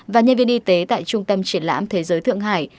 và nhân viên y tế tại trung tâm triển lãm thế giới thượng hải